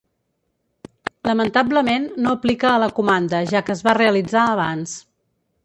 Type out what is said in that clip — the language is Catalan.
Lamentablement, no aplica a la comanda ja que es va realitzar abans.